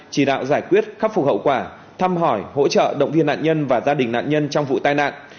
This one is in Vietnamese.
chỉ đạo giải quyết khắc phục hậu quả thăm hỏi hỗ trợ động viên nạn nhân và gia đình nạn nhân trong vụ tai nạn